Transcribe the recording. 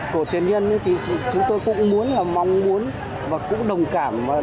của tiền nhân thì chúng tôi cũng muốn là mong muốn và cũng đồng cảm